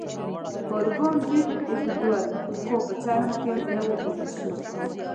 پاروګان ډېر اوږد ول، خو په چرم کې نه وو پوښل شوي.